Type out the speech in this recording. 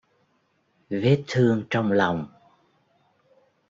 Vết thương trong lòng